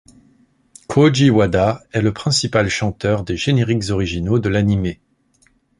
Kōji Wada est le principal chanteur des génériques originaux de l'anime.